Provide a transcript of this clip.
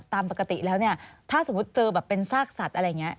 ตามปกติแล้วเนี่ยถ้าสมมุติเจอแบบเป็นซากสัตว์อะไรอย่างนี้